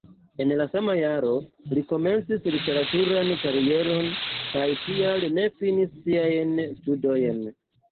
En la sama jaro li komencis literaturan karieron kaj tial ne finis siajn studojn.